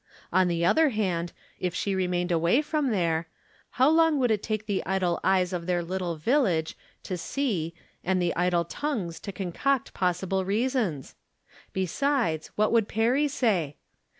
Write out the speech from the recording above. On the other hand, if she remained away from there, how long would it take the idle eyes of their little village to see, and the idle tongues to concoct possible reasons ? Besides, what would Perry say